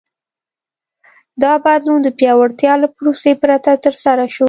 دا بدلون د پیاوړتیا له پروسې پرته ترسره شو.